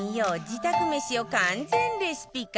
自宅メシを完全レシピ化